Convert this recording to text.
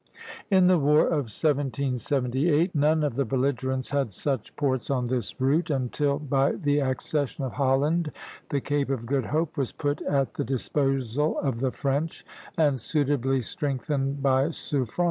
In the war of 1778 none of the belligerents had such ports on this route, until by the accession of Holland, the Cape of Good Hope was put at the disposal of the French and suitably strengthened by Suffren.